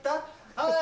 はい。